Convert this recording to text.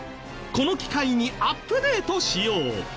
この機会にアップデートしよう。